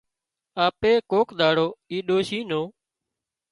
آپي ڪوڪ ۮاڙو اي ڏوشي نُون